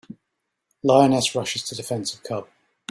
Lioness Rushes to Defense of Cub.